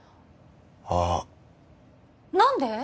あっ何で？